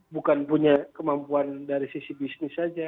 bukan punya kemampuan dari sisi bisnis saja